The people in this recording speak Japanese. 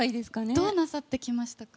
どうなさってきましたか？